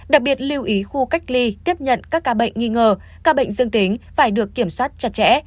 đặc biệt lưu ý khu cách ly tiếp nhận các ca bệnh nghi ngờ các bệnh dương tính phải được kiểm soát chặt chẽ